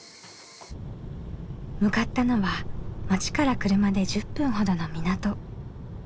向かったのは町から車で１０分ほどの港。